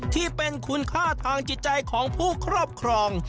ที่เป็นคุณค่าทางจิตใจของผู้ครอบครอง